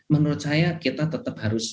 menurut saya kita tetap harus